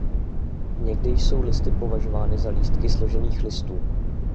Někdy jsou listy považovány za lístky složených listů.